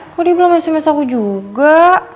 kok dia belum sms aku juga